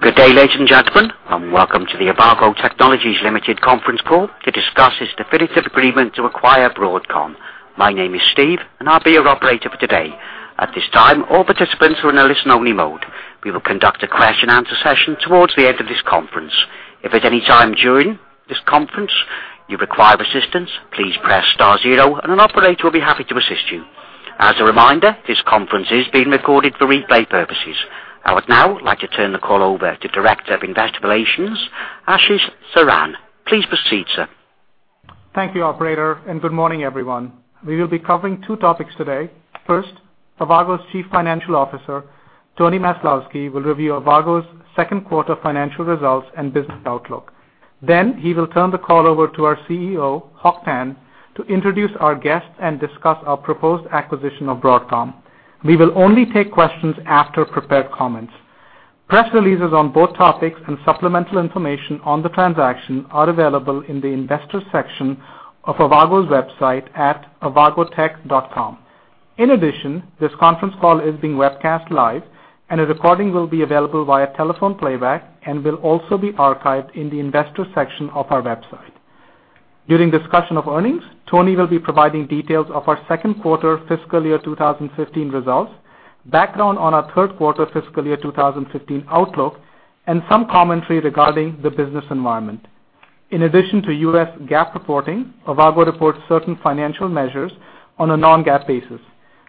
Good day, ladies and gentlemen, and welcome to the Avago Technologies Limited Conference Call to discuss its definitive agreement to acquire Broadcom. My name is Steve, and I'll be your operator for today. At this time, all participants are in a listen-only mode. We will conduct a question-and-answer session towards the end of this conference. If at any time during this conference you require assistance, please press star zero, and an operator will be happy to assist you. As a reminder, this conference is being recorded for replay purposes. I would now like to turn the call over to Director of Investor Relations, Ashish Saran. Please proceed, sir. Thank you, Operator, and good morning, everyone. We will be covering two topics today. First, Avago's Chief Financial Officer, Tony Maslowski, will review Avago's second quarter financial results and business outlook. Then, he will turn the call over to our CEO, Hock Tan, to introduce our guests and discuss our proposed acquisition of Broadcom. We will only take questions after prepared comments. Press releases on both topics and supplemental information on the transaction are available in the investor section of Avago website at avagotech.com. In addition, this conference call is being webcast live, and a recording will be available via telephone playback and will also be archived in the investor section of our website. During discussion of earnings, Tony will be providing details of our second quarter fiscal year 2015 results, background on our third quarter fiscal year 2015 outlook, and some commentary regarding the business environment. In addition to U.S. GAAP reporting, Avago reports certain financial measures on a non-GAAP basis.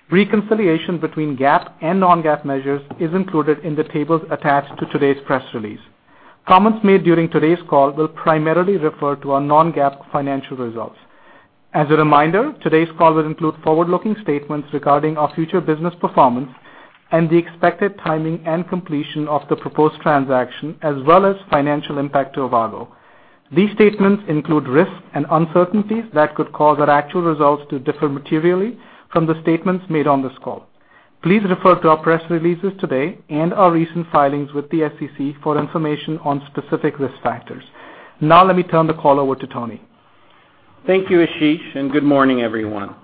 Reconciliation between GAAP and non-GAAP measures is included in the tables attached to today's press release. Comments made during today's call will primarily refer to our non-GAAP financial results. As a reminder, today's call will include forward-looking statements regarding our future business performance and the expected timing and completion of the proposed transaction, as well as financial impact to Avago. These statements include risks and uncertainties that could cause our actual results to differ materially from the statements made on this call. Please refer to our press releases today and our recent filings with the SEC for information on specific risk factors. Now, let me turn the call over to Tony. Thank you, Ashish, and good morning, everyone.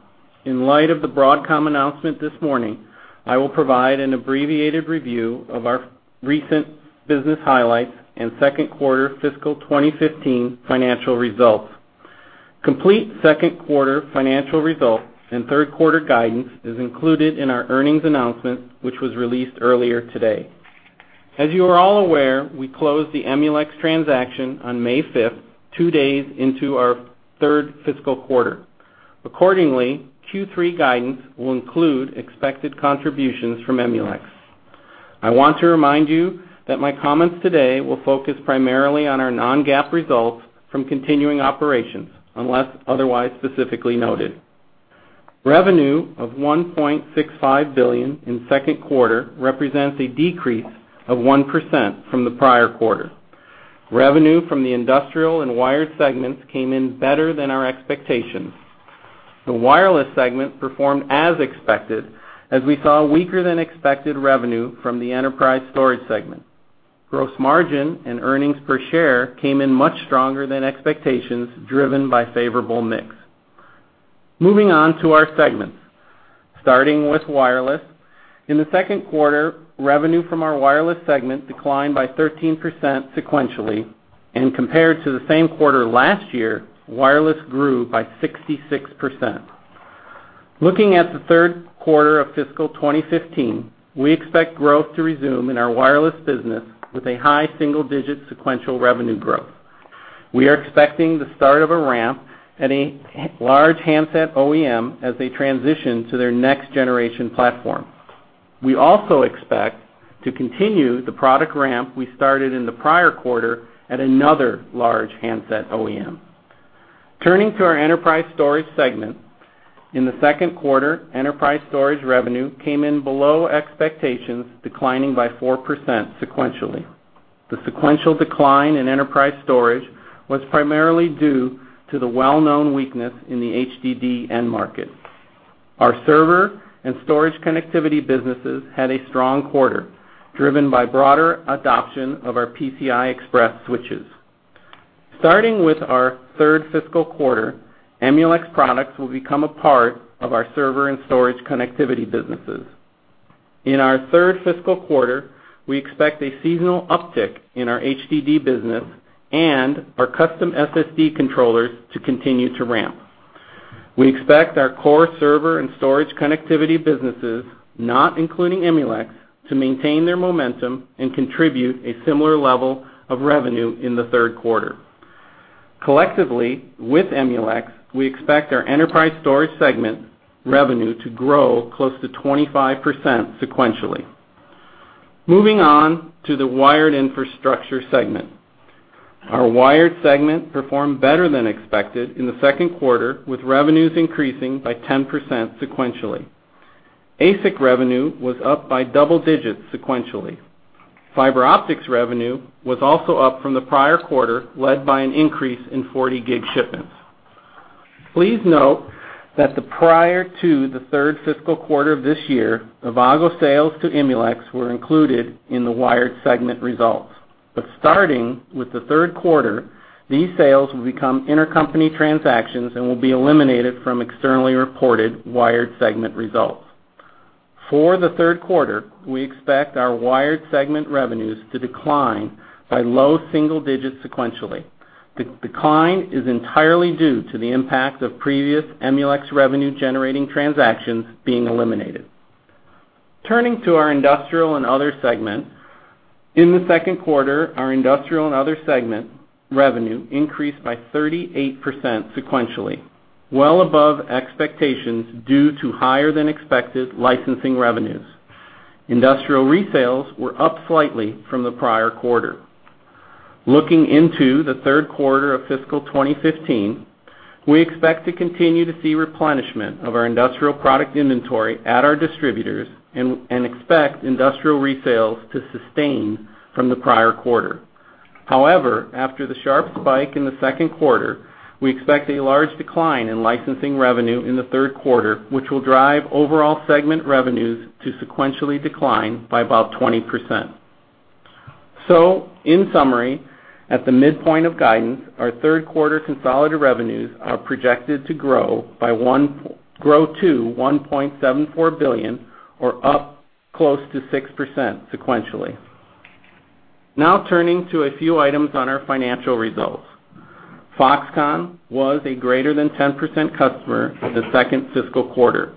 In light of the Broadcom announcement this morning, I will provide an abbreviated review of our recent business highlights and second quarter fiscal 2015 financial results. Complete second quarter financial results and third quarter guidance is included in our earnings announcement, which was released earlier today. As you are all aware, we closed the Emulex transaction on May 5, two days into our third fiscal quarter. Accordingly, Q3 guidance will include expected contributions from Emulex. I want to remind you that my comments today will focus primarily on our non-GAAP results from continuing operations, unless otherwise specifically noted. Revenue of $1.65 billion in second quarter represents a decrease of 1% from the prior quarter. Revenue from the industrial and wired segments came in better than our expectations. The wireless segment performed as expected, as we saw weaker-than-expected revenue from the enterprise storage segment. Gross margin and earnings per share came in much stronger than expectations, driven by favorable mix. Moving on to our segments, starting with wireless. In the second quarter, revenue from our wireless segment declined by 13% sequentially, and compared to the same quarter last year, wireless grew by 66%. Looking at the third quarter of fiscal 2015, we expect growth to resume in our wireless business, with a high single-digit sequential revenue growth. We are expecting the start of a ramp at a large handset OEM as they transition to their next-generation platform. We also expect to continue the product ramp we started in the prior quarter at another large handset OEM. Turning to our enterprise storage segment, in the second quarter, enterprise storage revenue came in below expectations, declining by 4% sequentially. The sequential decline in enterprise storage was primarily due to the well-known weakness in the HDD end market. Our server and storage connectivity businesses had a strong quarter, driven by broader adoption of our PCI Express switches. Starting with our third fiscal quarter, Emulex products will become a part of our server and storage connectivity businesses. In our third fiscal quarter, we expect a seasonal uptick in our HDD business and our custom SSD controllers to continue to ramp. We expect our core server and storage connectivity businesses, not including Emulex, to maintain their momentum and contribute a similar level of revenue in the third quarter. Collectively, with Emulex, we expect our enterprise storage segment revenue to grow close to 25% sequentially. Moving on to the wired infrastructure segment, our wired segment performed better than expected in the second quarter, with revenues increasing by 10% sequentially. ASIC revenue was up by double digits sequentially. Fiber optics revenue was also up from the prior quarter, led by an increase in 40 gig shipments. Please note that prior to the third fiscal quarter of this year, Avago sales to Emulex were included in the wired segment results. But starting with the third quarter, these sales will become intercompany transactions and will be eliminated from externally reported wired segment results. For the third quarter, we expect our wired segment revenues to decline by low single digits sequentially. The decline is entirely due to the impact of previous Emulex revenue-generating transactions being eliminated. Turning to our industrial and other segment, in the second quarter, our industrial and other segment revenue increased by 38% sequentially, well above expectations due to higher-than-expected licensing revenues. Industrial resales were up slightly from the prior quarter. Looking into the third quarter of fiscal 2015, we expect to continue to see replenishment of our industrial product inventory at our distributors and expect industrial resales to sustain from the prior quarter. However, after the sharp spike in the second quarter, we expect a large decline in licensing revenue in the third quarter, which will drive overall segment revenues to sequentially decline by about 20%. So, in summary, at the midpoint of guidance, our third quarter consolidated revenues are projected to grow to $1.74 billion, or up close to 6% sequentially. Now, turning to a few items on our financial results. Foxconn was a greater-than-10% customer in the second fiscal quarter.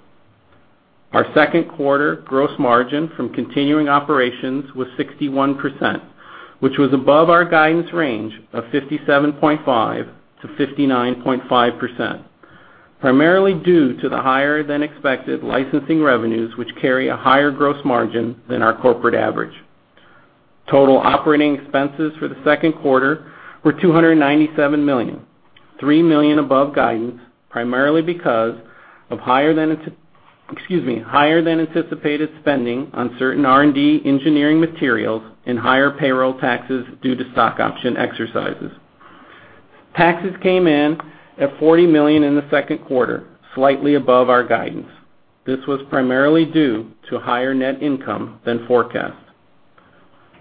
Our second quarter gross margin from continuing operations was 61%, which was above our guidance range of 57.5%-59.5%, primarily due to the higher-than-expected licensing revenues, which carry a higher gross margin than our corporate average. Total operating expenses for the second quarter were $297 million, $3 million above guidance, primarily because of higher-than-anticipated spending on certain R&D engineering materials and higher payroll taxes due to stock option exercises. Taxes came in at $40 million in the second quarter, slightly above our guidance. This was primarily due to higher net income than forecast.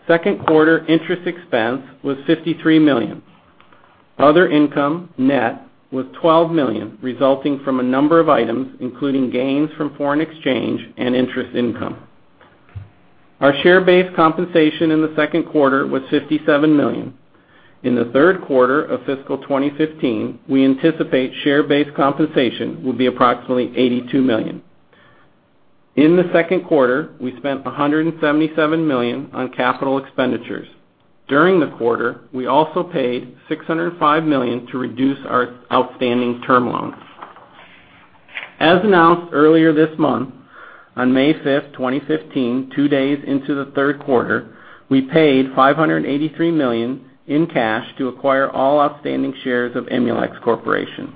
Second quarter interest expense was $53 million. Other income, net was $12 million, resulting from a number of items, including gains from foreign exchange and interest income. Our share-based compensation in the second quarter was $57 million. In the third quarter of fiscal 2015, we anticipate share-based compensation will be approximately $82 million. In the second quarter, we spent $177 million on capital expenditures. During the quarter, we also paid $605 million to reduce our outstanding term loans. As announced earlier this month, on May 5th, 2015, two days into the third quarter, we paid $583 million in cash to acquire all outstanding shares of Emulex Corporation.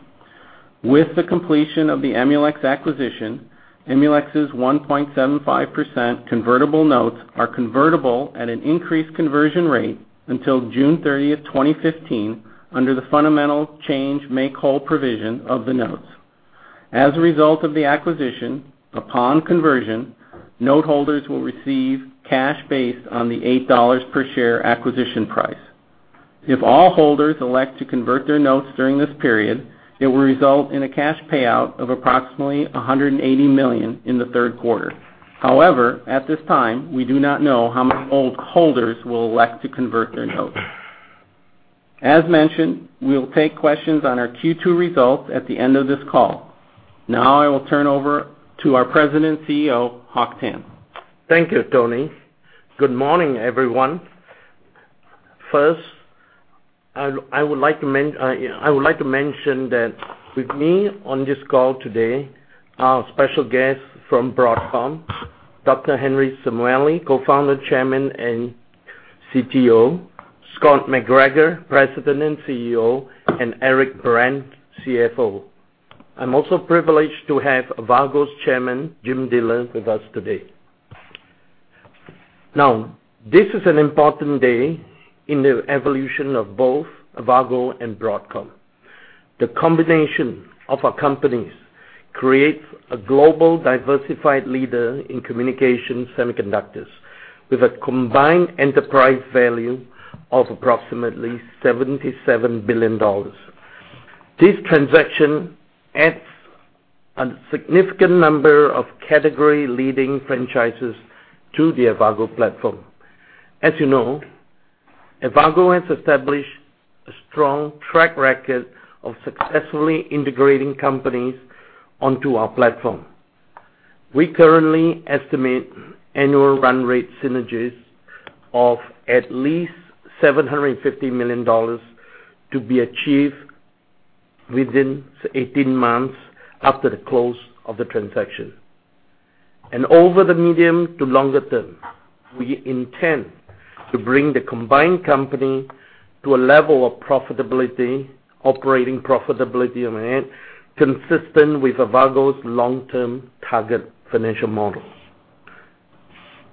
With the completion of the Emulex acquisition, Emulex's 1.75% convertible notes are convertible at an increased conversion rate until June 30th, 2015, under the fundamental change make-whole provision of the notes. As a result of the acquisition, upon conversion, note holders will receive cash based on the $8 per share acquisition price. If all holders elect to convert their notes during this period, it will result in a cash payout of approximately $180 million in the third quarter. However, at this time, we do not know how many note holders will elect to convert their notes. As mentioned, we will take questions on our Q2 results at the end of this call. Now, I will turn over to our President and CEO, Hock Tan. Thank you, Tony. Good morning, everyone. First, I would like to mention that with me on this call today are special guests from Broadcom, Dr. Henry Samueli, Co-founder, Chairman, and CTO, Scott McGregor, President and CEO, and Eric Brandt, CFO. I'm also privileged to have Avago's Chairman, James Diller, with us today. Now, this is an important day in the evolution of both Avago and Broadcom. The combination of our companies creates a global diversified leader in communication semiconductors, with a combined enterprise value of approximately $77 billion. This transaction adds a significant number of category-leading franchises to the Avago platform. As you know, Avago has established a strong track record of successfully integrating companies onto our platform. We currently estimate annual run rate synergies of at least $750 million to be achieved within 18 months after the close of the transaction. Over the medium to longer term, we intend to bring the combined company to a level of operating profitability consistent with Avago's long-term target financial model.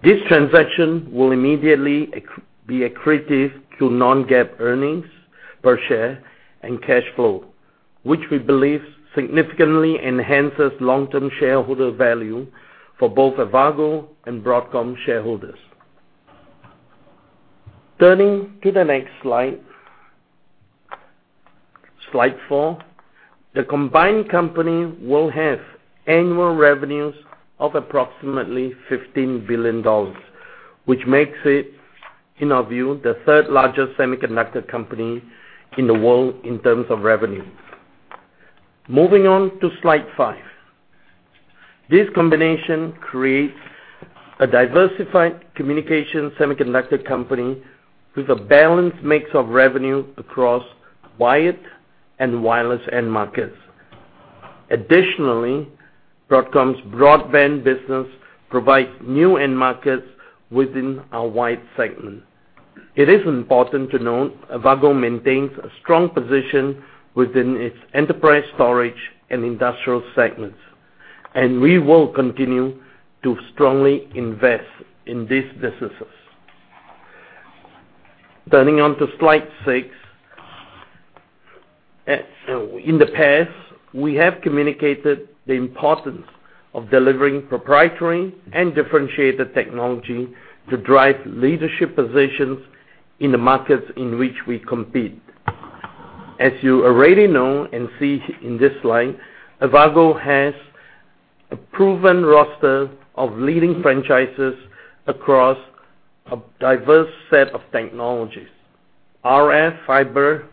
This transaction will immediately be accretive to non-GAAP earnings per share and cash flow, which we believe significantly enhances long-term shareholder value for both Avago and Broadcom shareholders. Turning to the next slide, slide four, the combined company will have annual revenues of approximately $15 billion, which makes it, in our view, the third largest semiconductor company in the world in terms of revenue. Moving on to slide five, this combination creates a diversified communications semiconductor company with a balanced mix of revenue across wired and wireless end markets. Additionally, Broadcom's broadband business provides new end markets within our wired segment. It is important to note Avago maintains a strong position within its enterprise storage and industrial segments, and we will continue to strongly invest in these businesses. Turning to slide six, in the past, we have communicated the importance of delivering proprietary and differentiated technology to drive leadership positions in the markets in which we compete. As you already know and see in this slide, Avago has a proven roster of leading franchises across a diverse set of technologies, RF, Fiber,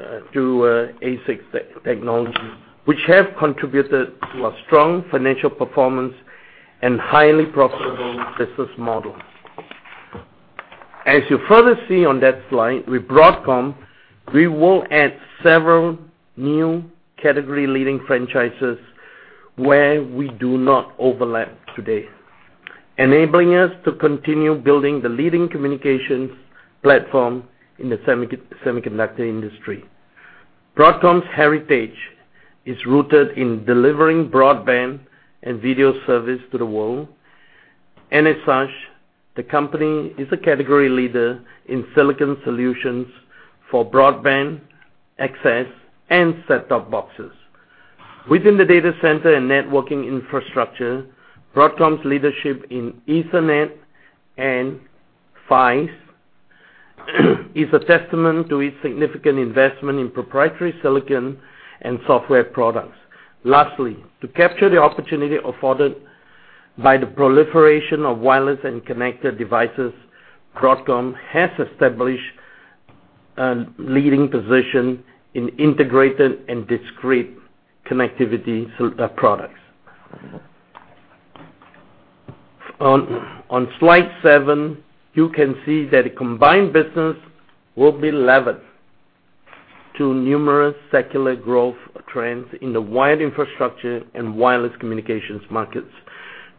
ASIC technology, which have contributed to a strong financial performance and highly profitable business model. As you further see on that slide, with Broadcom, we will add several new category-leading franchises where we do not overlap today, enabling us to continue building the leading communications platform in the semiconductor industry. Broadcom's heritage is rooted in delivering broadband and video service to the world. And as such, the company is a category leader in silicon solutions for broadband access and set-top boxes. Within the data center and networking infrastructure, Broadcom's leadership in Ethernet and PCIe is a testament to its significant investment in proprietary silicon and software products. Lastly, to capture the opportunity afforded by the proliferation of wireless and connected devices, Broadcom has established a leading position in integrated and discrete connectivity products. On slide seven, you can see that the combined business will be leveraged to numerous secular growth trends in the wired infrastructure and wireless communications markets.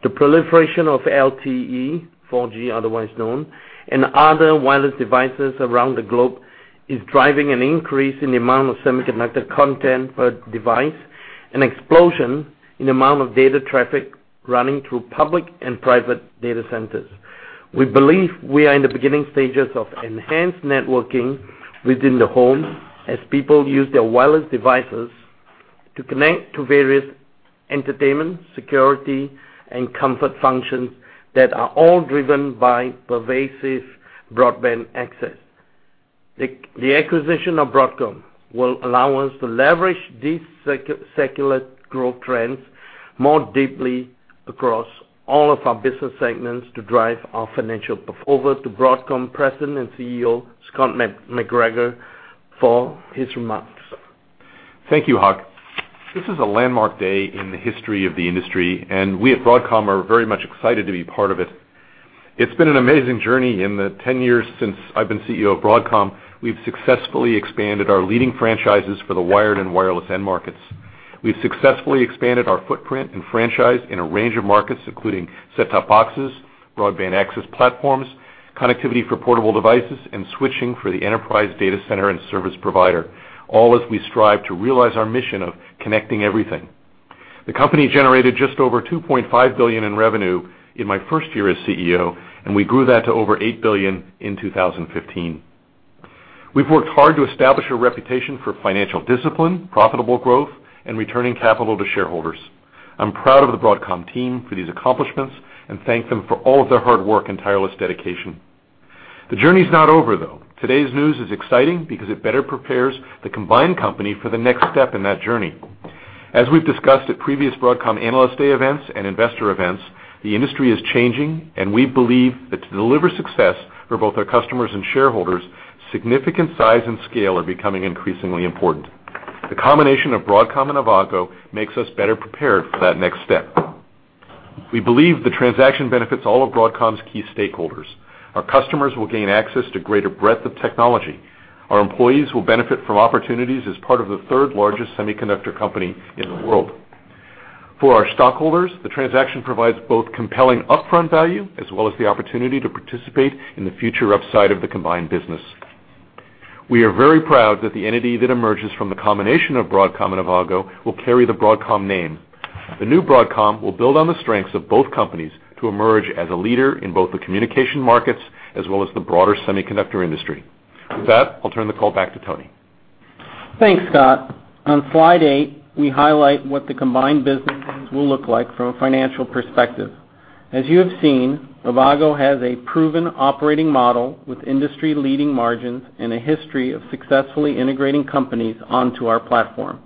The proliferation of LTE, 4G otherwise known, and other wireless devices around the globe is driving an increase in the amount of semiconductor content per device and explosion in the amount of data traffic running through public and private data centers. We believe we are in the beginning stages of enhanced networking within the home as people use their wireless devices to connect to various entertainment, security, and comfort functions that are all driven by pervasive broadband access. The acquisition of Broadcom will allow us to leverage these secular growth trends more deeply across all of our business segments to drive our financial. Over to Broadcom President and CEO, Scott McGregor, for his remarks. Thank you, Hock. This is a landmark day in the history of the industry, and we at Broadcom are very much excited to be part of it. It's been an amazing journey in the 10 years since I've been CEO of Broadcom. We've successfully expanded our leading franchises for the wired and wireless end markets. We've successfully expanded our footprint and franchise in a range of markets, including set-top boxes, broadband access platforms, connectivity for portable devices, and switching for the enterprise data center and service provider, all as we strive to realize our mission of connecting everything. The company generated just over $2.5 billion in revenue in my first year as CEO, and we grew that to over $8 billion in 2015. We've worked hard to establish a reputation for financial discipline, profitable growth, and returning capital to shareholders. I'm proud of the Broadcom team for these accomplishments and thank them for all of their hard work and tireless dedication. The journey's not over, though. Today's news is exciting because it better prepares the combined company for the next step in that journey. As we've discussed at previous Broadcom Analyst Day events and investor events, the industry is changing, and we believe that to deliver success for both our customers and shareholders, significant size and scale are becoming increasingly important. The combination of Broadcom and Avago makes us better prepared for that next step. We believe the transaction benefits all of Broadcom's key stakeholders. Our customers will gain access to greater breadth of technology. Our employees will benefit from opportunities as part of the third largest semiconductor company in the world. For our stockholders, the transaction provides both compelling upfront value as well as the opportunity to participate in the future upside of the combined business. We are very proud that the entity that emerges from the combination of Broadcom and Avago will carry the Broadcom name. The new Broadcom will build on the strengths of both companies to emerge as a leader in both the communication markets as well as the broader semiconductor industry. With that, I'll turn the call back to Tony. Thanks, Scott. On slide eight, we highlight what the combined business will look like from a financial perspective. As you have seen, Avago has a proven operating model with industry-leading margins and a history of successfully integrating companies onto our platform.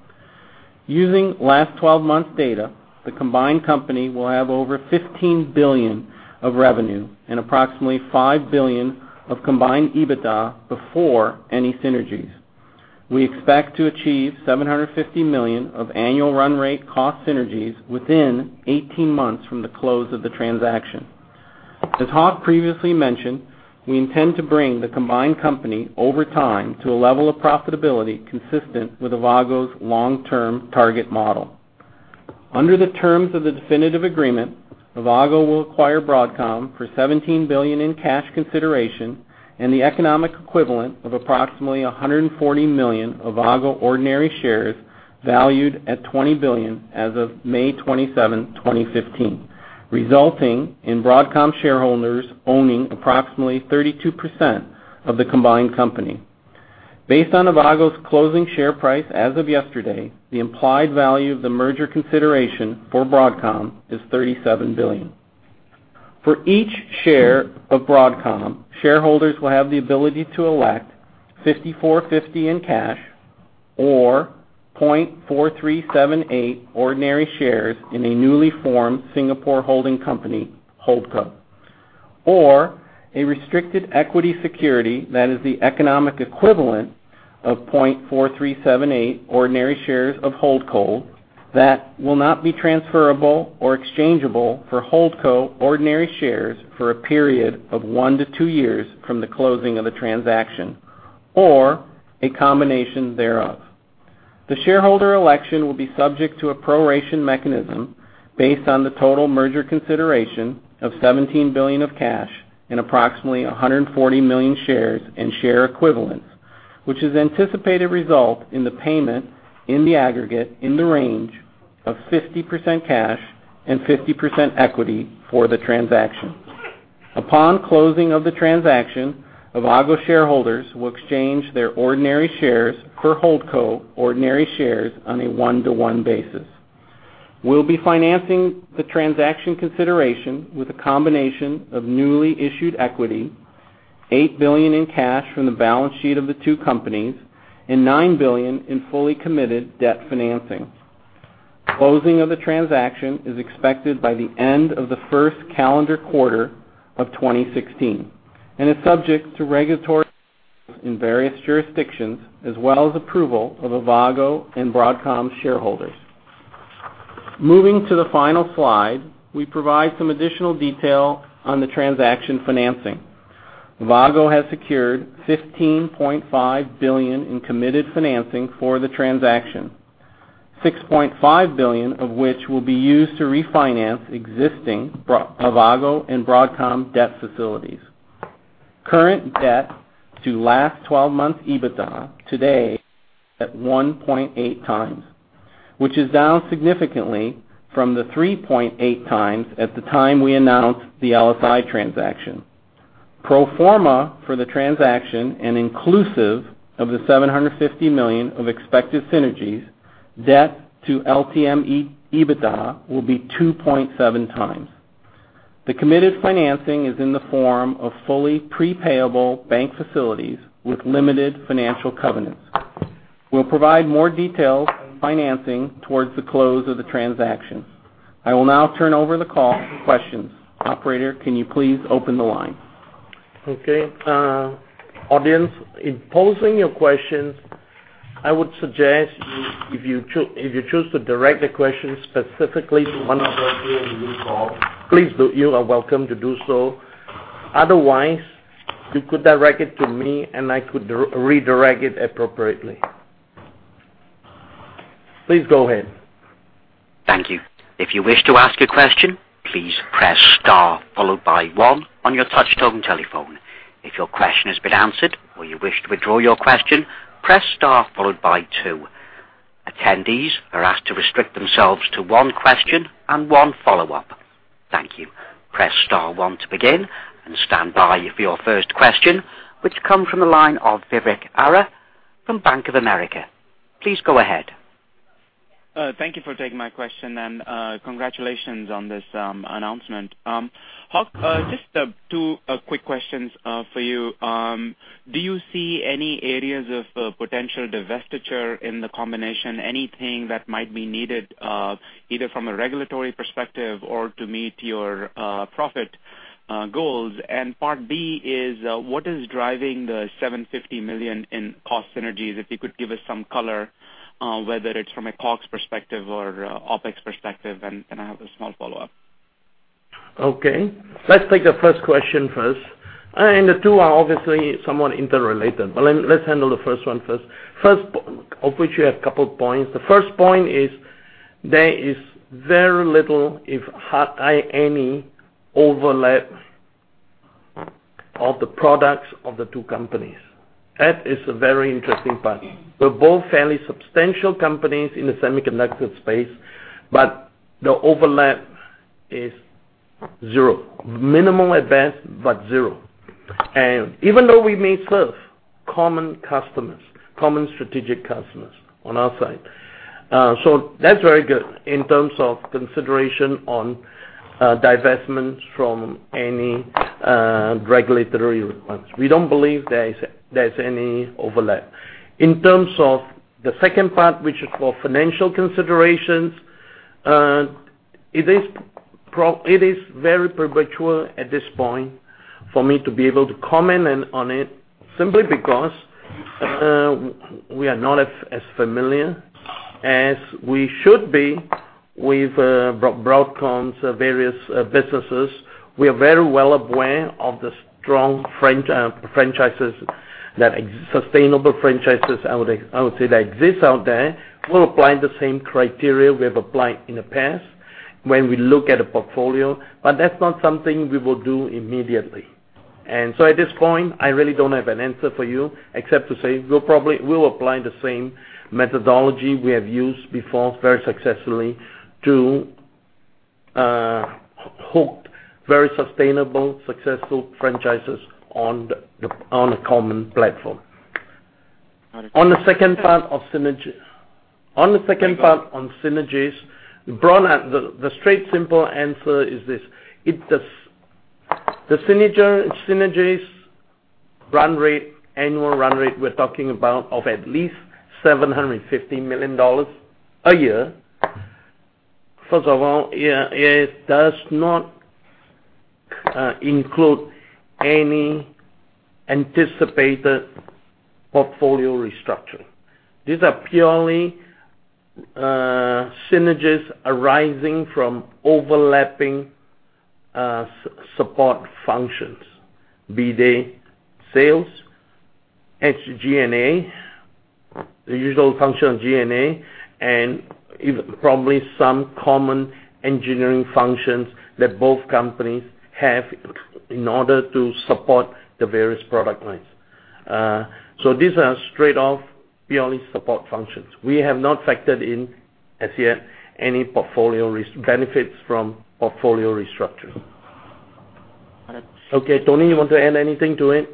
Using last 12 months' data, the combined company will have over $15 billion of revenue and approximately $5 billion of combined EBITDA before any synergies. We expect to achieve $750 million of annual run rate cost synergies within 18 months from the close of the transaction. As Hock previously mentioned, we intend to bring the combined company over time to a level of profitability consistent with Avago's long-term target model. Under the terms of the definitive agreement, Avago will acquire Broadcom for $17 billion in cash consideration and the economic equivalent of approximately 140 million Avago ordinary shares valued at $20 billion as of May 27, 2015, resulting in Broadcom shareholders owning approximately 32% of the combined company. Based on Avago's closing share price as of yesterday, the implied value of the merger consideration for Broadcom is $37 billion. For each share of Broadcom, shareholders will have the ability to elect $54.50 in cash or 0.4378 ordinary shares in a newly formed Singapore holding company, HoldCo, or a restricted equity security that is the economic equivalent of 0.4378 ordinary shares of HoldCo, that will not be transferable or exchangeable for HoldCo ordinary shares for a period of one to two years from the closing of the transaction or a combination thereof. The shareholder election will be subject to a proration mechanism based on the total merger consideration of $17 billion of cash and approximately 140 million shares and share equivalents, which is anticipated result in the payment in the aggregate in the range of 50% cash and 50% equity for the transaction. Upon closing of the transaction, Avago shareholders will exchange their ordinary shares for HoldCo ordinary shares on a one-to-one basis. We'll be financing the transaction consideration with a combination of newly issued equity, $8 billion in cash from the balance sheet of the two companies, and $9 billion in fully committed debt financing. Closing of the transaction is expected by the end of the first calendar quarter of 2016 and is subject to regulatory in various jurisdictions as well as approval of Avago and Broadcom shareholders. Moving to the final slide, we provide some additional detail on the transaction financing. Avago has secured $15.5 billion in committed financing for the transaction, $6.5 billion of which will be used to refinance existing Avago and Broadcom debt facilities. Current debt to last 12 months' EBITDA today is at 1.8 times, which is down significantly from the 3.8 times at the time we announced the LSI transaction. Pro forma for the transaction and inclusive of the $750 million of expected synergies, debt to LTM EBITDA will be 2.7 times. The committed financing is in the form of fully prepayable bank facilities with limited financial covenants. We'll provide more details on financing towards the close of the transaction. I will now turn over the call to questions. Operator, can you please open the line? Okay. Audience, in posing your questions, I would suggest if you choose to direct the questions specifically to one of those who are on the call, please do. You are welcome to do so. Otherwise, you could direct it to me and I could redirect it appropriately. Please go ahead. Thank you. If you wish to ask a question, please press star followed by one on your touchtone telephone. If your question has been answered or you wish to withdraw your question, press star followed by two. Attendees are asked to restrict themselves to one question and one follow-up. Thank you. Press star one to begin and stand by for your first question, which comes from the line of Vivek Arya from Bank of America. Please go ahead. Thank you for taking my question and congratulations on this announcement. Hock, just two quick questions for you. Do you see any areas of potential divestiture in the combination, anything that might be needed either from a regulatory perspective or to meet your profit goals? And part B is what is driving the $750 million in cost synergies? If you could give us some color, whether it's from a COGS perspective or OpEx perspective, and I have a small follow-up. Okay. Let's take the first question first. And the two are obviously somewhat interrelated, but let's handle the first one first. First, of which you have a couple of points. The first point is there is very little, if any, overlap of the products of the two companies. That is a very interesting part. They're both fairly substantial companies in the semiconductor space, but the overlap is zero. Minimal overlap, but zero. And even though we may serve common customers, common strategic customers on our side, so that's very good in terms of consideration on divestments from any regulatory requirements. We don't believe there's any overlap. In terms of the second part, which is for financial considerations, it is very premature at this point for me to be able to comment on it simply because we are not as familiar as we should be with Broadcom's various businesses. We are very well aware of the strong, sustainable franchises, I would say, that exist out there. We'll apply the same criteria we have applied in the past when we look at a portfolio, but that's not something we will do immediately, and so at this point, I really don't have an answer for you except to say we'll apply the same methodology we have used before very successfully to hook very sustainable, successful franchises on a common platform. On the second part of synergies, the straight simple answer is this: the synergies' run rate, annual run rate we're talking about, of at least $750 million a year, first of all, it does not include any anticipated portfolio restructuring. These are purely synergies arising from overlapping support functions, be they sales, SG&A, the usual function of G&A, and probably some common engineering functions that both companies have in order to support the various product lines. So these are straight off purely support functions. We have not factored in as yet any portfolio benefits from portfolio restructuring. Okay. Tony, you want to add anything to it?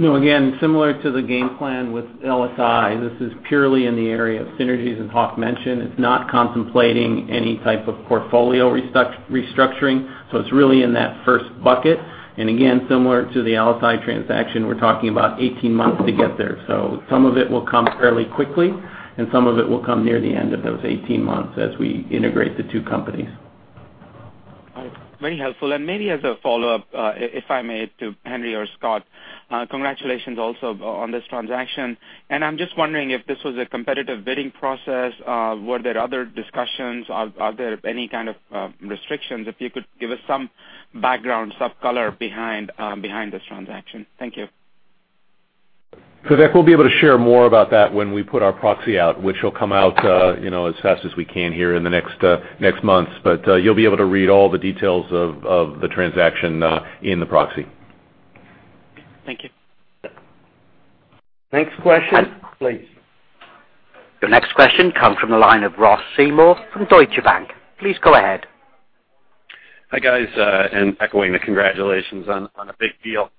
No. Again, similar to the game plan with LSI, this is purely in the area of synergies as Hock mentioned. It's not contemplating any type of portfolio restructuring, so it's really in that first bucket. And again, similar to the LSI transaction, we're talking about 18 months to get there. So some of it will come fairly quickly, and some of it will come near the end of those 18 months as we integrate the two companies. Very helpful. And maybe as a follow-up, if I may, to Henry or Scott, congratulations also on this transaction. And I'm just wondering if this was a competitive bidding process. Were there other discussions? Are there any kind of restrictions? If you could give us some background, some color behind this transaction. Thank you. Vivek, we'll be able to share more about that when we put our proxy out, which will come out as fast as we can here in the next months. But you'll be able to read all the details of the transaction in the proxy. Thank you. Next question, please. The next question comes from the line of Ross Seymore from Deutsche Bank. Please go ahead. Hi, guys. Echoing the congratulations on a big deal.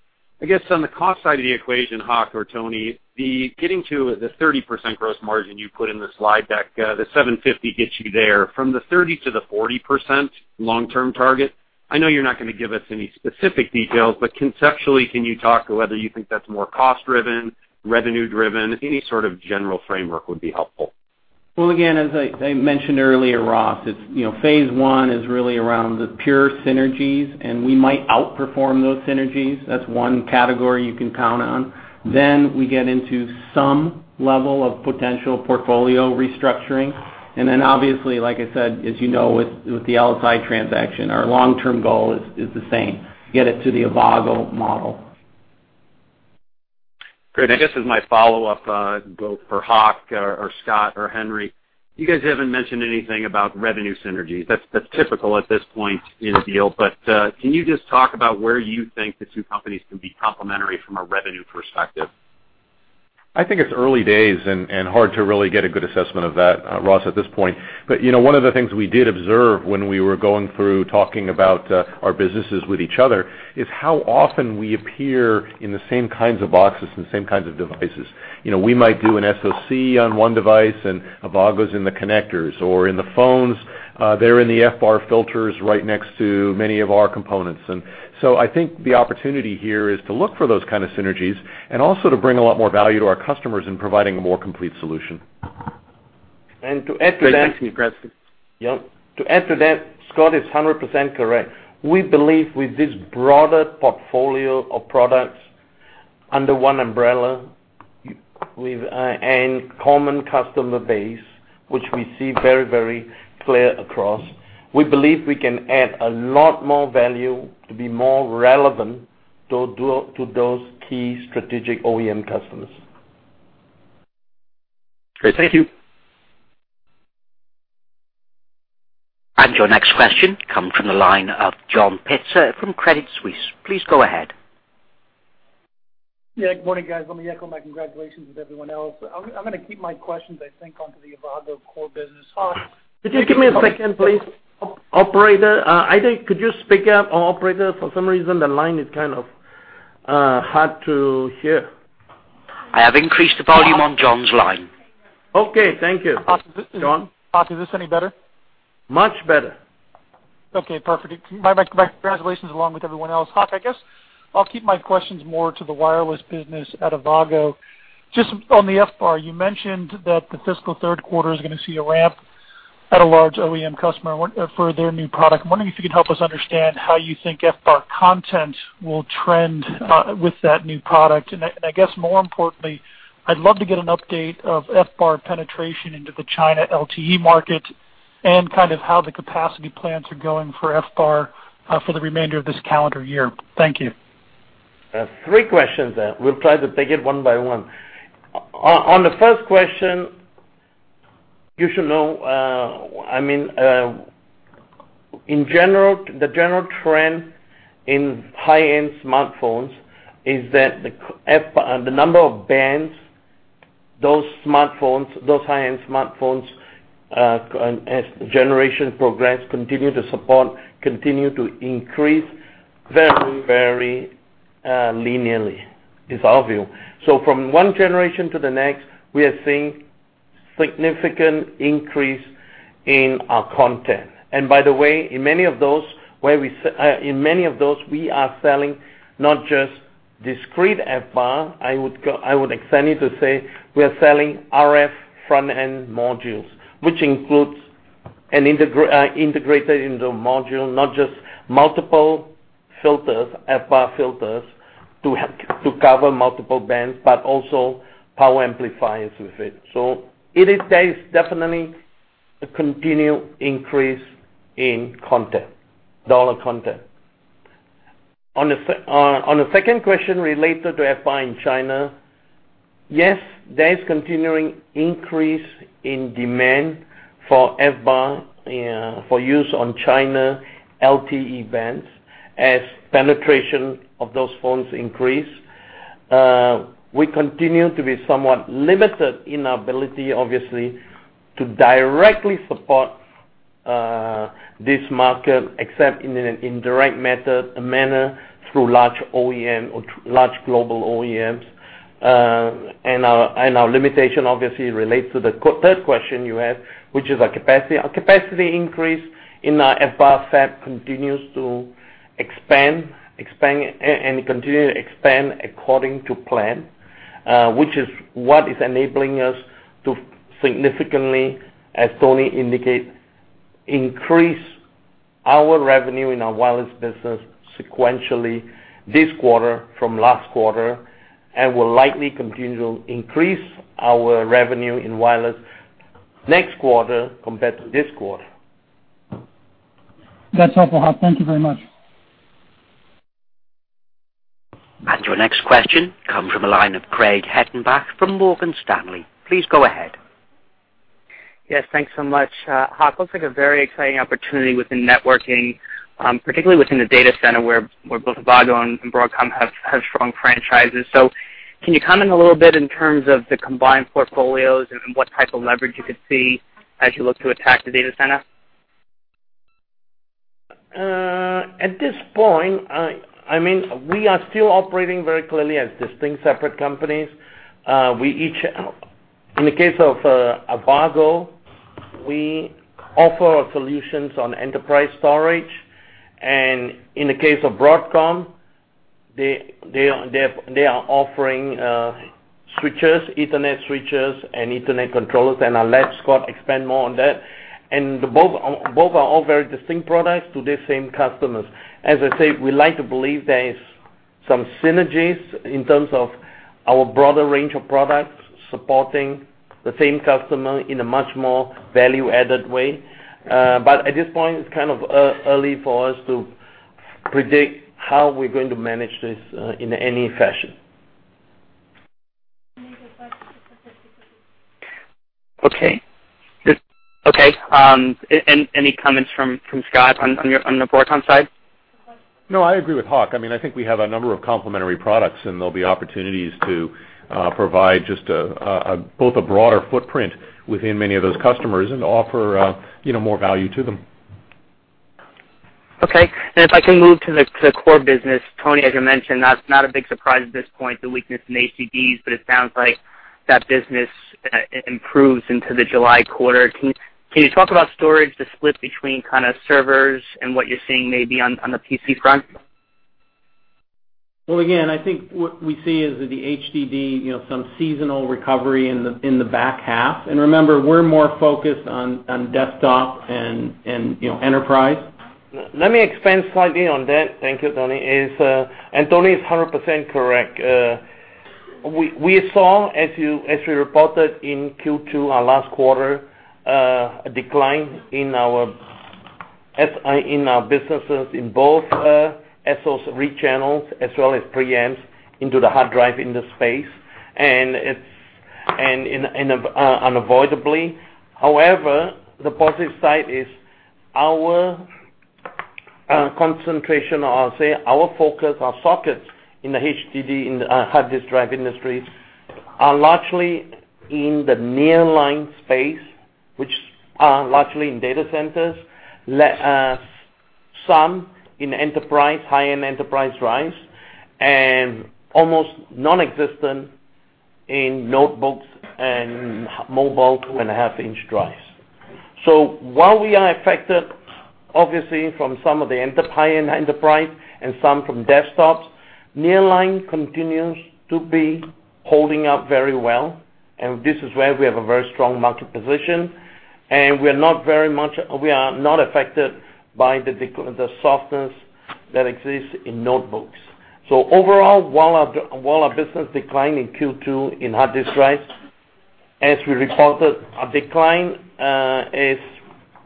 I guess on the cost side of the equation, Hock or Tony, getting to the 30% gross margin you put in the slide deck, the 750 gets you there. From the 30% to the 40% long-term target, I know you're not going to give us any specific details, but conceptually, can you talk to whether you think that's more cost-driven, revenue-driven? Any sort of general framework would be helpful. Again, as I mentioned earlier, Ross, Phase I is really around the pure synergies, and we might outperform those synergies. That's one category you can count on. Then we get into some level of potential portfolio restructuring. And then obviously, like I said, as you know, with the LSI transaction, our long-term goal is the same get it to the Avago model. Great, and I guess as my follow-up, both for Hock or Scott or Henry, you guys haven't mentioned anything about revenue synergies. That's typical at this point in the deal, but can you just talk about where you think the two companies can be complementary from a revenue perspective? I think it's early days and hard to really get a good assessment of that, Ross, at this point. But one of the things we did observe when we were going through talking about our businesses with each other is how often we appear in the same kinds of boxes and the same kinds of devices. We might do an SOC on one device, and Avago's in the connectors. Or in the phones, they're in the FBAR filters right next to many of our components. And so I think the opportunity here is to look for those kinds of synergies and also to bring a lot more value to our customers in providing a more complete solution. And to add to that. Yep. To add to that, Scott is 100% correct. We believe with this broader portfolio of products under one umbrella and common customer base, which we see very, very clear across, we believe we can add a lot more value to be more relevant to those key strategic OEM customers. Great. Thank you. And your next question comes from the line of John Pitzer from Credit Suisse. Please go ahead. Yeah. Good morning, guys. Let me echo my congratulations with everyone else. I'm going to keep my questions, I think, onto the Avago core business. Hock, could you give me a second, please? Operator, either could you speak up? Operator, for some reason, the line is kind of hard to hear. I have increased the volume on John's line. Okay. Thank you. John? Hock, is this any better? Much better. Okay. Perfect. My congratulations along with everyone else. Hock, I guess I'll keep my questions more to the wireless business at Avago. Just on the FBAR, you mentioned that the fiscal third quarter is going to see a ramp at a large OEM customer for their new product. I'm wondering if you could help us understand how you think FBAR content will trend with that new product. And I guess more importantly, I'd love to get an update of FBAR penetration into the China LTE market and kind of how the capacity plans are going for FBAR for the remainder of this calendar year. Thank you. Three questions then. We'll try to take it one by one. On the first question, you should know, I mean, the general trend in high-end smartphones is that the number of bands, those high-end smartphones, as the generation progresses, continue to support, continue to increase very, very linearly. It's obvious. So from one generation to the next, we are seeing significant increase in our content. And by the way, in many of those, we are selling not just discrete FBAR. I would extend it to say we are selling RF front-end modules, which includes an integrated in the module, not just multiple filters, FBAR filters to cover multiple bands, but also power amplifiers with it. So it is definitely a continued increase in content, dollar content. On the second question related to FBAR in China, yes, there is continuing increase in demand for FBAR for use on China LTE bands as penetration of those phones increases. We continue to be somewhat limited in our ability, obviously, to directly support this market except in an indirect manner through large OEM or large global OEMs, and our limitation, obviously, relates to the third question you had, which is our capacity. Our capacity increase in our FBAR fab continues to expand and continue to expand according to plan, which is what is enabling us to significantly, as Tony indicated, increase our revenue in our wireless business sequentially this quarter from last quarter and will likely continue to increase our revenue in wireless next quarter compared to this quarter. That's helpful, Hock. Thank you very much. And your next question comes from a line of Craig Hettenbach from Morgan Stanley. Please go ahead. Yes. Thanks so much. Hock, it looks like a very exciting opportunity within networking, particularly within the data center where both Avago and Broadcom have strong franchises, so can you comment a little bit in terms of the combined portfolios and what type of leverage you could see as you look to attack the data center? At this point, I mean, we are still operating very clearly as distinct separate companies. In the case of Avago, we offer solutions on enterprise storage. And in the case of Broadcom, they are offering switches, Ethernet switches, and Ethernet controllers. And I'll let Scott expand more on that. And both are all very distinct products to the same customers. As I say, we like to believe there is some synergies in terms of our broader range of products supporting the same customer in a much more value-added way. But at this point, it's kind of early for us to predict how we're going to manage this in any fashion. Okay. Okay. Any comments from Scott on the Broadcom side? No, I agree with Hock. I mean, I think we have a number of complementary products, and there'll be opportunities to provide just both a broader footprint within many of those customers and offer more value to them. Okay. And if I can move to the core business, Tony, as you mentioned, not a big surprise at this point, the weakness in ASICs, but it sounds like that business improves into the July quarter fiscal. Can you talk about storage, the split between kind of servers and what you're seeing maybe on the PC front? Again, I think what we see is the HDD, some seasonal recovery in the back half. Remember, we're more focused on desktop and enterprise. Let me expand slightly on that. Thank you, Tony. And Tony is 100% correct. We saw, as we reported in Q2 our last quarter, a decline in our businesses in both SOC channels as well as pre-amps into the hard drive in the space. And unavoidably, however, the positive side is our concentration. I'll say our focus, our sockets in the HDD, in the hard disk drive industries, are largely in the nearline space, which are largely in data centers, some in enterprise, high-end enterprise drives, and almost nonexistent in notebooks and mobile two and a half inch drives. So while we are affected, obviously, from some of the enterprise and some from desktops, nearline continues to be holding up very well. And this is where we have a very strong market position. And we are not affected by the softness that exists in notebooks. Overall, while our business declined in Q2 in hard disk drives, as we reported, our decline is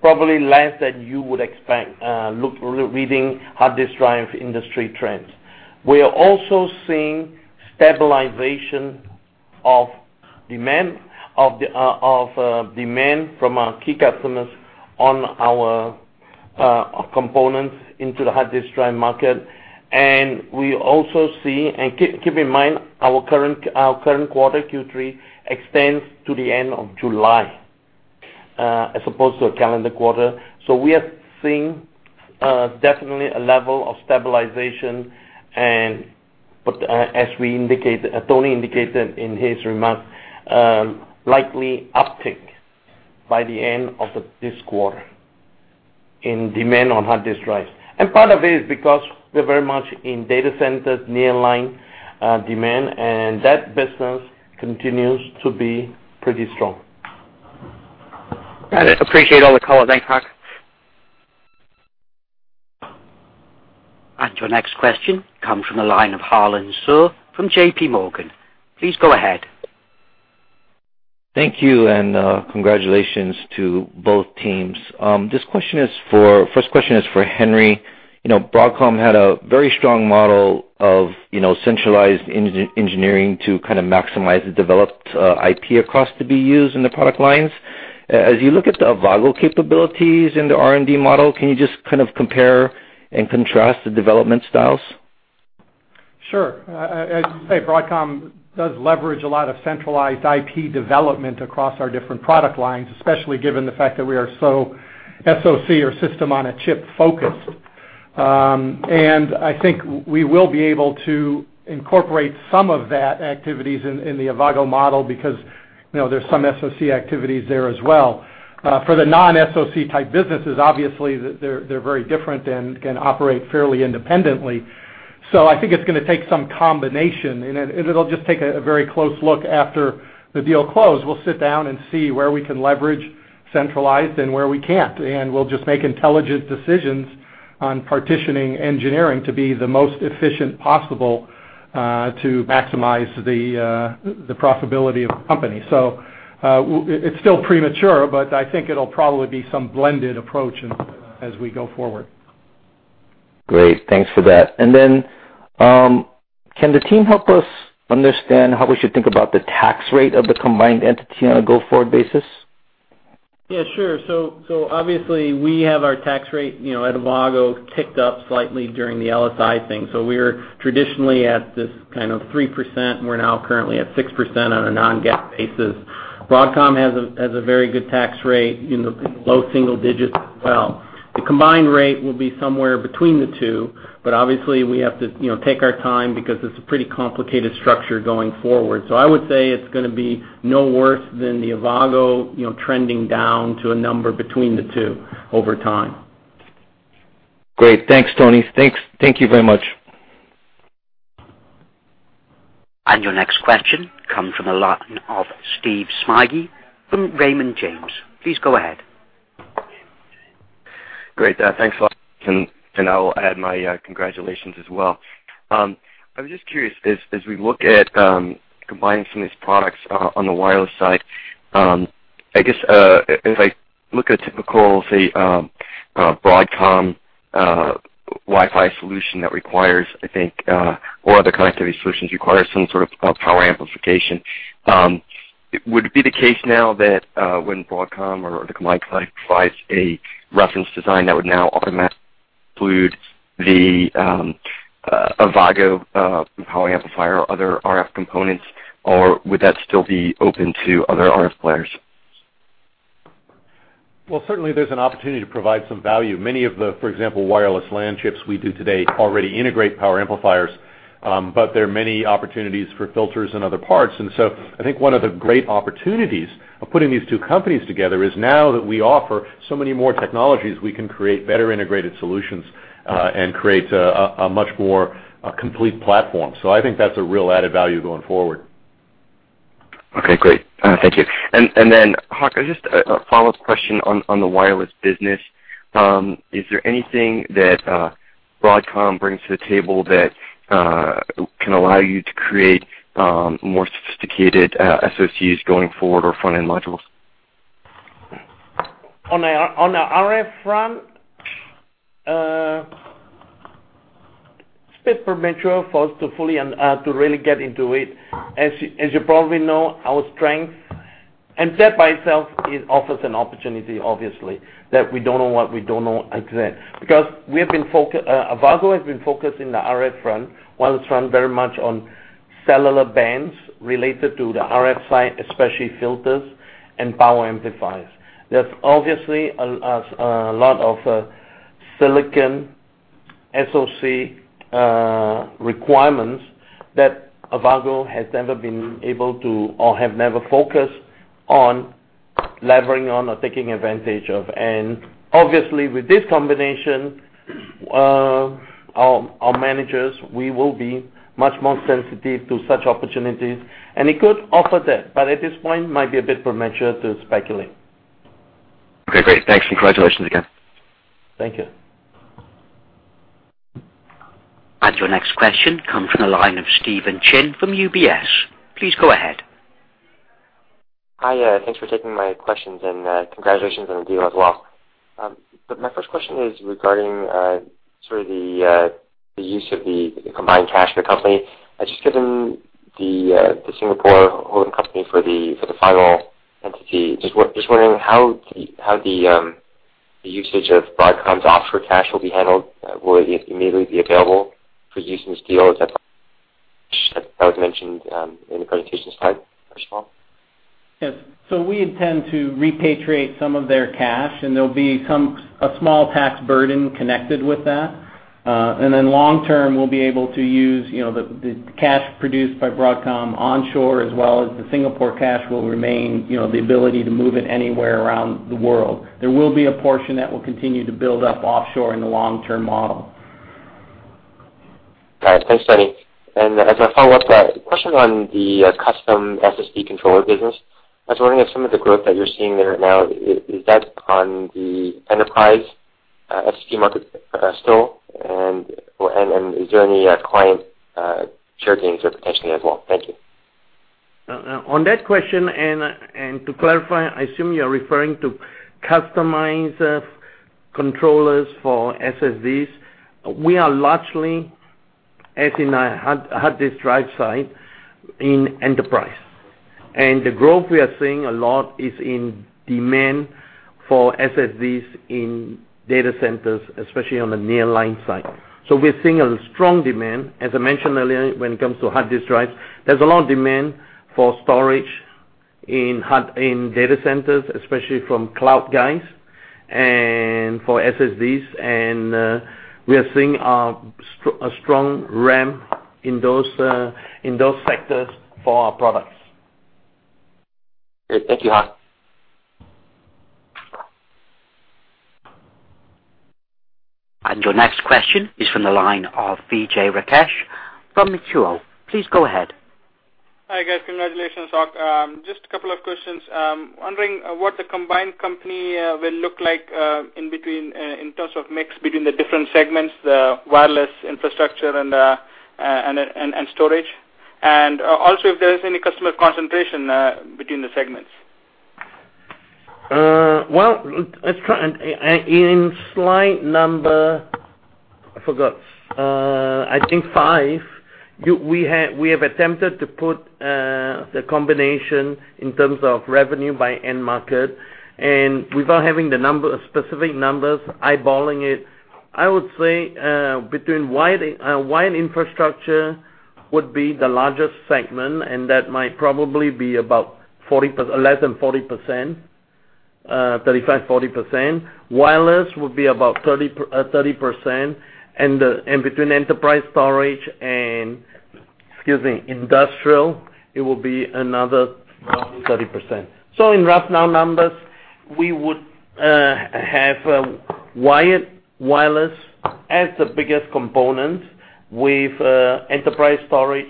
probably less than you would expect reading hard disk drive industry trends. We are also seeing stabilization of demand from our key customers on our components into the hard disk drive market. We also see, and keep in mind, our current quarter, Q3, extends to the end of July as opposed to a calendar quarter. We are seeing definitely a level of stabilization. As Tony indicated in his remarks, likely uptick by the end of this quarter in demand on hard disk drives. Part of it is because we're very much in data centers, nearline demand, and that business continues to be pretty strong. Got it. Appreciate all the color. Thanks, Hock. Your next question comes from the line of Harlan Sur from J.P. Morgan. Please go ahead. Thank you and congratulations to both teams. This question is for Henry. Broadcom had a very strong model of centralized engineering to kind of maximize the developed IP across to be used in the product lines. As you look at the Avago capabilities in the R&D model, can you just kind of compare and contrast the development styles? Sure. Broadcom does leverage a lot of centralized IP development across our different product lines, especially given the fact that we are so SOC or system-on-a-chip focused. And I think we will be able to incorporate some of that activities in the Avago model because there's some SOC activities there as well. For the non-SOC type businesses, obviously, they're very different and can operate fairly independently. So I think it's going to take some combination. And it'll just take a very close look after the deal closes. We'll sit down and see where we can leverage centralized and where we can't. And we'll just make intelligent decisions on partitioning engineering to be the most efficient possible to maximize the profitability of the company. So it's still premature, but I think it'll probably be some blended approach as we go forward. Great. Thanks for that. And then can the team help us understand how we should think about the tax rate of the combined entity on a go-forward basis? Yeah. Sure. So obviously, we have our tax rate at Avago ticked up slightly during the LSI thing. So we were traditionally at this kind of 3%. We're now currently at 6% on a non-GAAP basis. Broadcom has a very good tax rate in the low single digits as well. The combined rate will be somewhere between the two. But obviously, we have to take our time because it's a pretty complicated structure going forward. So I would say it's going to be no worse than the Avago trending down to a number between the two over time. Great. Thanks, Tony. Thank you very much. And your next question comes from the line of Steve Smigie from Raymond James. Please go ahead. Great. Thanks, Hock. And I'll add my congratulations as well. I was just curious, as we look at combining some of these products on the wireless side, I guess if I look at a typical, say, Broadcom Wi-Fi solution that requires, I think, or other connectivity solutions require some sort of power amplification, would it be the case now that when Broadcom or the combined client provides a reference design that would now automatically include the Avago power amplifier or other RF components, or would that still be open to other RF players? Certainly, there's an opportunity to provide some value. Many of the, for example, wireless LAN chips we do today already integrate power amplifiers. But there are many opportunities for filters and other parts. And so I think one of the great opportunities of putting these two companies together is now that we offer so many more technologies, we can create better integrated solutions and create a much more complete platform. So I think that's a real added value going forward. Okay. Great. Thank you. And then, Hock, just a follow-up question on the wireless business. Is there anything that Broadcom brings to the table that can allow you to create more sophisticated SOCs going forward or front-end modules? On the RF front, it's a bit premature for us to really get into it. As you probably know, our strength and that by itself offers an opportunity, obviously, that we don't know what we don't know exactly. Because Avago has been focused in the RF front, wireless front, very much on cellular bands related to the RF side, especially filters and power amplifiers. There's obviously a lot of silicon SOC requirements that Avago has never been able to or have never focused on leveraging on or taking advantage of. And obviously, with this combination, our managers, we will be much more sensitive to such opportunities. And it could offer that. But at this point, it might be a bit premature to speculate. Okay. Great. Thanks. Congratulations again. Thank you. And your next question comes from the line of Stephen Chin from UBS. Please go ahead. Hi. Thanks for taking my questions. And congratulations on the deal as well. But my first question is regarding sort of the use of the combined cash of the company. I just, given the Singapore Holding Company for the final entity, just wondering how the usage of Broadcom's offshore cash will be handled. Will it immediately be available for use in this deal that was mentioned in the presentation slide first of all? Yes. So we intend to repatriate some of their cash. And there'll be a small tax burden connected with that. And then long-term, we'll be able to use the cash produced by Broadcom onshore as well as the Singapore cash will remain the ability to move it anywhere around the world. There will be a portion that will continue to build up offshore in the long-term model. Got it. Thanks, Tony. And as a follow-up question on the custom SSD controller business, I was wondering if some of the growth that you're seeing there now, is that on the enterprise SSD market still? And is there any client share gains there potentially as well? Thank you. On that question, and to clarify, I assume you're referring to customized controllers for SSDs. We are largely, as in hard disk drive side, in enterprise. And the growth we are seeing a lot is in demand for SSDs in data centers, especially on the nearline side. So we're seeing a strong demand. As I mentioned earlier, when it comes to hard disk drives, there's a lot of demand for storage in data centers, especially from cloud guys, and for SSDs. And we are seeing a strong demand in those sectors for our products. Great. Thank you, Hock. Your next question is from the line of Vijay Rakesh from Mizuho. Please go ahead. Hi, guys. Congratulations, Hock. Just a couple of questions. Wondering what the combined company will look like in terms of mix between the different segments, the wireless infrastructure and storage, and also if there is any customer concentration between the segments. In slide number, I forgot, I think five, we have attempted to put the combination in terms of revenue by end market. Without having the specific numbers, eyeballing it, I would say wired infrastructure would be the largest segment, and that might probably be about less than 40%, 35%-40%. Wireless would be about 30%. Between enterprise storage and, excuse me, industrial, it will be another 30%. In round numbers, we would have wired wireless as the biggest component with enterprise storage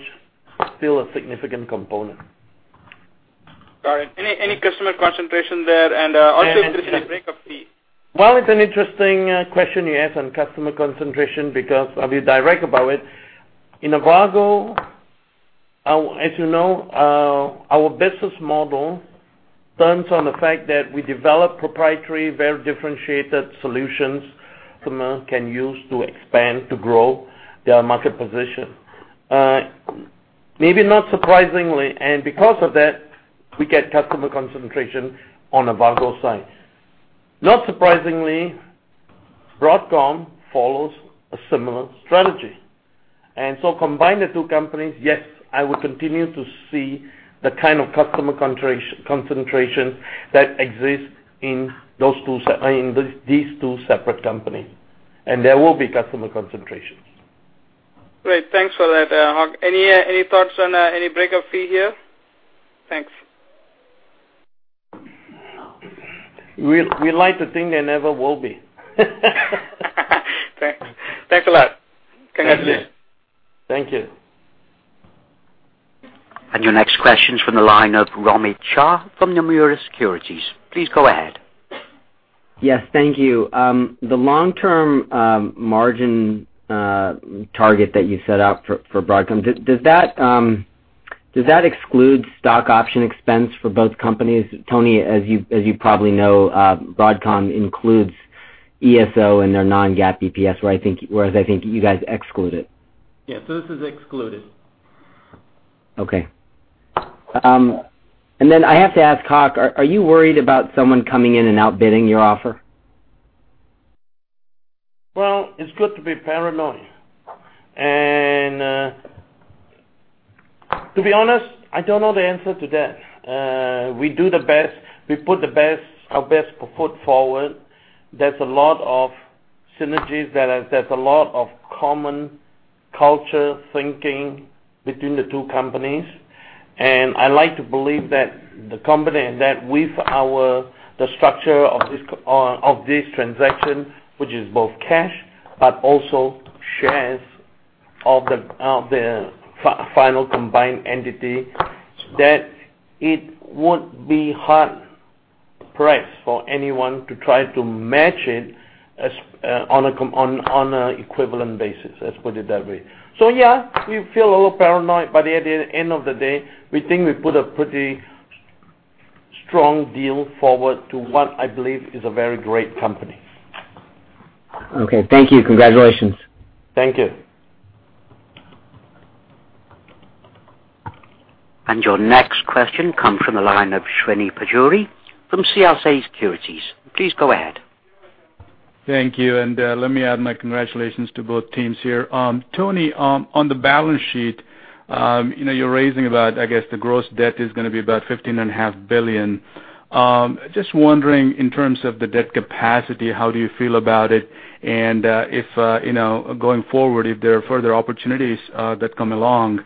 still a significant component. Got it. Any customer concentration there? And also, interesting breakup fee. It's an interesting question you asked on customer concentration because I'll be direct about it. In Avago, as you know, our business model turns on the fact that we develop proprietary, very differentiated solutions customers can use to expand, to grow their market position. Maybe not surprisingly, and because of that, we get customer concentration on Avago side. Not surprisingly, Broadcom follows a similar strategy, and so combining the two companies, yes, I would continue to see the kind of customer concentrations that exist in these two separate companies, and there will be customer concentrations. Great. Thanks for that, Hock. Any thoughts on any breakup fee here? Thanks. We like to think there never will be. Thanks. Thanks a lot. Congratulations. Thank you. Your next question is from the line of Romit Shah from Nomura Securities. Please go ahead. Yes. Thank you. The long-term margin target that you set out for Broadcom, does that exclude stock option expense for both companies? Tony, as you probably know, Broadcom includes ESO and their non-GAAP EPS, whereas I think you guys exclude it. Yeah, so this is excluded. Okay, and then I have to ask, Hock, are you worried about someone coming in and outbidding your offer? Well, it's good to be paranoid. And to be honest, I don't know the answer to that. We do the best. We put our best foot forward. There's a lot of synergies. There's a lot of common culture thinking between the two companies. And I like to believe that the company and that with the structure of this transaction, which is both cash but also shares of the final combined entity, that it would be hard-pressed for anyone to try to match it on an equivalent basis. Let's put it that way. So yeah, we feel a little paranoid. But at the end of the day, we think we put a pretty strong deal forward to what I believe is a very great company. Okay. Thank you. Congratulations. Thank you. Your next question comes from the line of Srini Pajjuri from CLSA. Please go ahead. Thank you. Let me add my congratulations to both teams here. Tony, on the balance sheet, you're raising about, I guess, the gross debt is going to be about $15.5 billion. Just wondering, in terms of the debt capacity, how do you feel about it? If going forward, if there are further opportunities that come along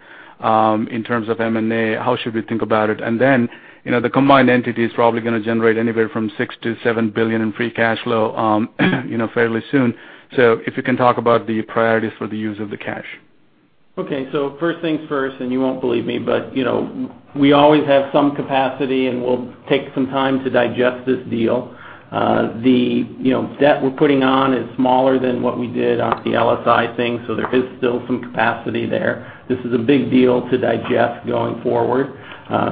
in terms of M&A, how should we think about it? The combined entity is probably going to generate anywhere from $6-$7 billion in free cash flow fairly soon. If you can talk about the priorities for the use of the cash. Okay. So first things first, and you won't believe me, but we always have some capacity, and we'll take some time to digest this deal. The debt we're putting on is smaller than what we did on the LSI thing. So there is still some capacity there. This is a big deal to digest going forward.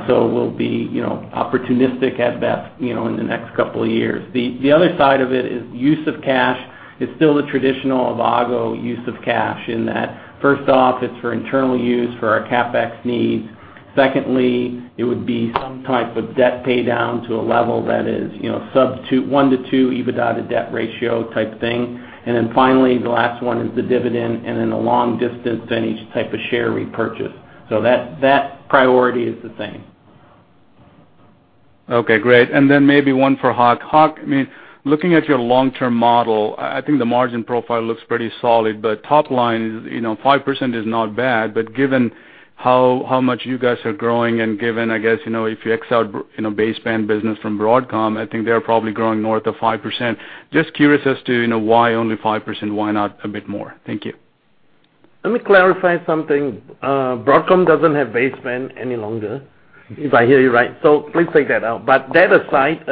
So we'll be opportunistic at best in the next couple of years. The other side of it is use of cash. It's still the traditional Avago use of cash in that first off, it's for internal use for our CapEx needs. Secondly, it would be some type of debt pay down to a level that is one to two EBITDA to debt ratio type thing. And then finally, the last one is the dividend and then a long distance and each type of share repurchase. So that priority is the same. Okay. Great. And then maybe one for Hock. Hock, I mean, looking at your long-term model, I think the margin profile looks pretty solid. But top line, 5% is not bad. But given how much you guys are growing and given, I guess, if you exclude baseband business from Broadcom, I think they're probably growing north of 5%. Just curious as to why only 5%? Why not a bit more? Thank you. Let me clarify something. Broadcom doesn't have baseband any longer, if I hear you right. So please take that out. But that aside,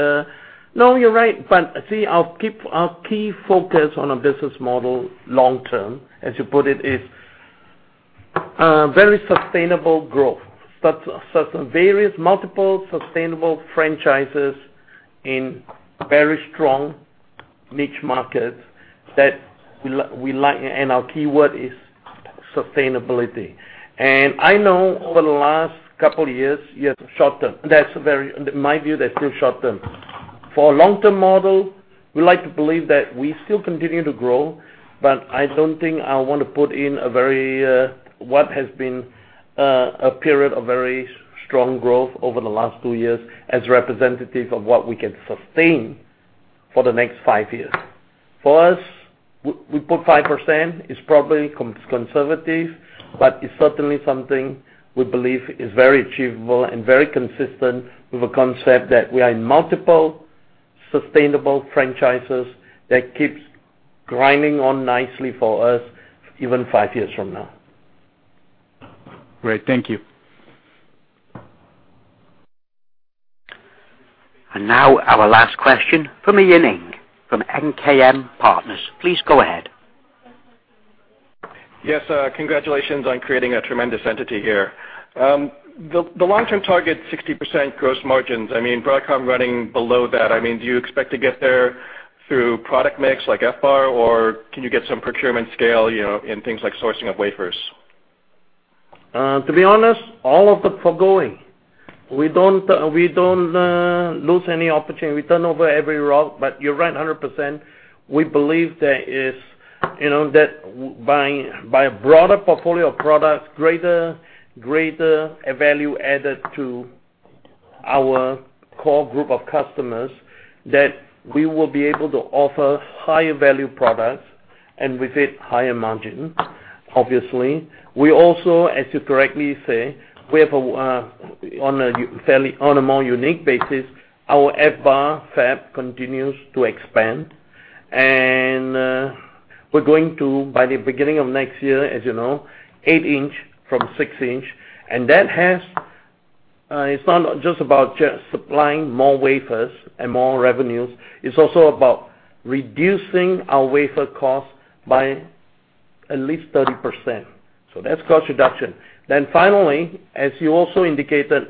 no, you're right. But see, our key focus on our business model long-term, as you put it, is very sustainable growth. So various multiple sustainable franchises in very strong niche markets that we like. And our keyword is sustainability. And I know over the last couple of years, short-term, that's very in my view, that's still short-term. For a long-term model, we like to believe that we still continue to grow. But I don't think I want to put in a very what has been a period of very strong growth over the last two years as representative of what we can sustain for the next five years. For us, we put 5%. It's probably conservative, but it's certainly something we believe is very achievable and very consistent with a concept that we are in multiple sustainable franchises that keeps grinding on nicely for us even five years from now. Great. Thank you. Now our last question from Ian Ing from MKM Partners. Please go ahead. Yes. Congratulations on creating a tremendous entity here. The long-term target, 60% gross margins, I mean, Broadcom running below that, I mean, do you expect to get there through product mix like FBAR, or can you get some procurement scale in things like sourcing of wafers? To be honest, all of the foregoing. We don't lose any opportunity. We turn over every rock. But you're right 100%. We believe that by a broader portfolio of products, greater value added to our core group of customers, that we will be able to offer higher value products and with it, higher margins, obviously. We also, as you correctly say, we have on a more unique basis, our FBAR fab continues to expand. And we're going to, by the beginning of next year, as you know, 8-inch from 6-inch. And that has, it's not just about supplying more wafers and more revenues. It's also about reducing our wafer cost by at least 30%. So that's cost reduction. Then finally, as you also indicated,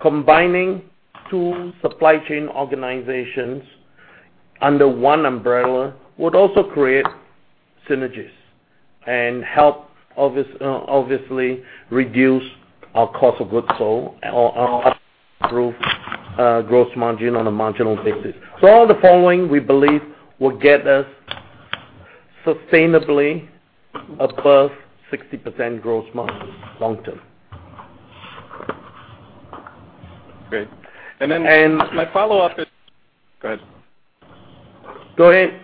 combining two supply chain organizations under one umbrella would also create synergies and help, obviously, reduce our cost of goods sold or improve gross margin on a marginal basis. So all the following, we believe, will get us sustainably above 60% gross margin long-term. Great, and then my follow-up is go ahead. Go ahead.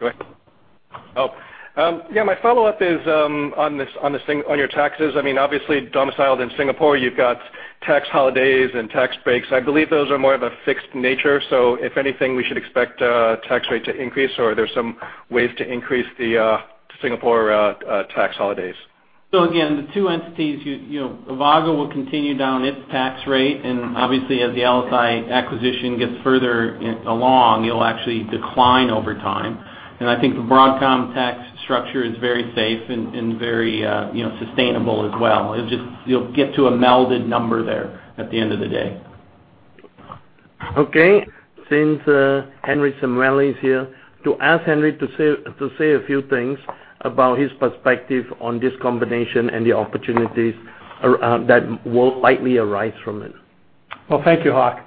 Go ahead. Yeah. My follow-up is on your taxes. I mean, obviously, domiciled in Singapore, you've got tax holidays and tax breaks. I believe those are more of a fixed nature. So if anything, we should expect tax rate to increase, or there's some ways to increase the Singapore tax holidays. So again, the two entities, Avago will continue down its tax rate. And obviously, as the LSI acquisition gets further along, it'll actually decline over time. And I think the Broadcom tax structure is very safe and very sustainable as well. You'll get to a melded number there at the end of the day. Okay. Since Henry Samueli is here, to ask Henry to say a few things about his perspective on this combination and the opportunities that will likely arise from it. Well, thank you, Hock.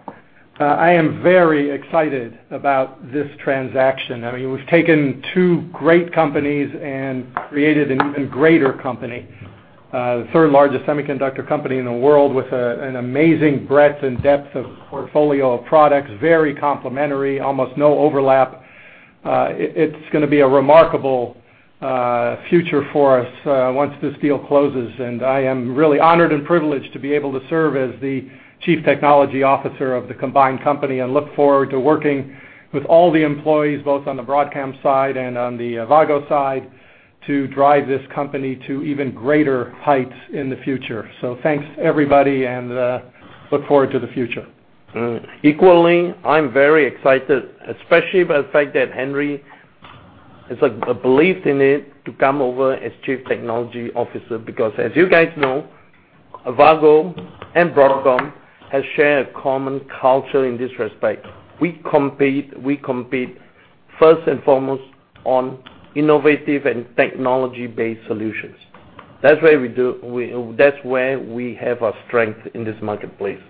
I am very excited about this transaction. I mean, we've taken two great companies and created an even greater company, the third largest semiconductor company in the world with an amazing breadth and depth of portfolio of products, very complementary, almost no overlap. It's going to be a remarkable future for us once this deal closes. And I am really honored and privileged to be able to serve as the Chief Technology Officer of the combined company and look forward to working with all the employees, both on the Broadcom side and on the Avago side, to drive this company to even greater heights in the future. So thanks, everybody, and look forward to the future. Equally, I'm very excited, especially by the fact that Henry has a belief in it to come over as Chief Technology Officer because, as you guys know, Avago and Broadcom have shared a common culture in this respect. We compete first and foremost on innovative and technology-based solutions. That's where we have our strength in this marketplace,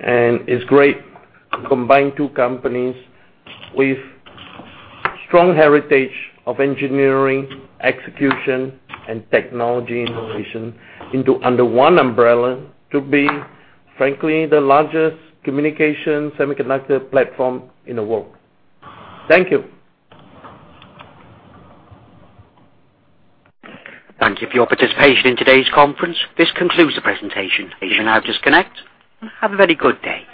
and it's great combining two companies with strong heritage of engineering, execution, and technology innovation into under one umbrella to be, frankly, the largest communication semiconductor platform in the world. Thank you. Thank you for your participation in today's conference. This concludes the presentation. You can now disconnect. Have a very good day.